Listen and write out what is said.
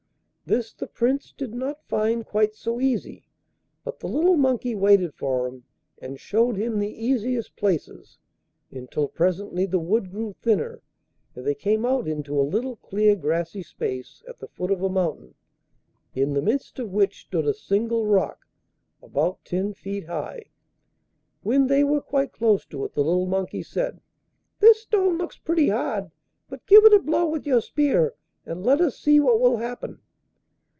This the Prince did not find quite so easy, but the little monkey waited for him and showed him the easiest places, until presently the wood grew thinner and they came out into a little clear grassy space at the foot of a mountain, in the midst of which stood a single rock, about ten feet high. When they were quite close to it the little monkey said: 'This stone looks pretty hard, but give it a blow with your spear and let us see what will happen.